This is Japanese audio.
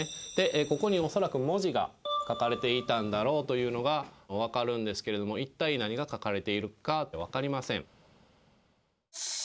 ここに恐らく文字が書かれていたんだろうというのが分かるんですけれども一体何が書かれているか分かりません。